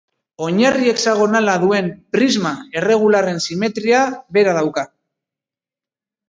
Oinarri hexagonala duen prisma erregularren simetria bera dauka.